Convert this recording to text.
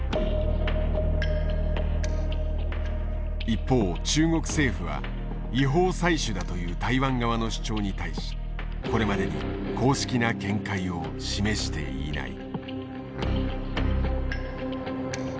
一方中国政府は違法採取だという台湾側の主張に対しこれまでに公式な見解を示していない。